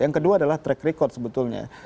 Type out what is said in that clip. yang kedua adalah track record sebetulnya